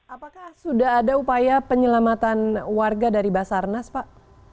apakah sudah ada upaya penyelamatan warga dari basarnas pak